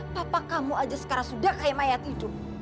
papa kamu aja sekarang sudah kayak mayat hidup